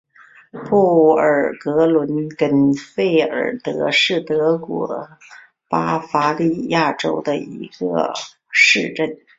布尔格伦根费尔德是德国巴伐利亚州的一个市镇。